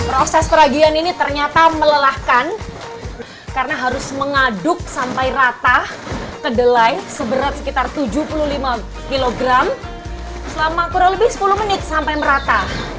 proses peragian ini ternyata melelahkan karena harus mengaduk sampai rata kedelai seberat sekitar tujuh puluh lima kg selama kurang lebih sepuluh menit sampai merata